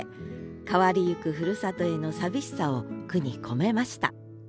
変わりゆくふるさとへの寂しさを句に込めました